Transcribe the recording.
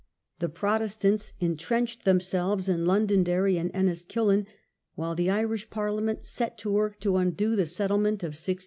The Protestants intrenched themselves in Londonderry and Enniskillen, while the Irish Parliament set to work to undo the settlement of 1660.